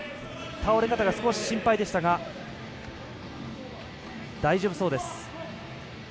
倒れ方が少し心配でしたが大丈夫そうです。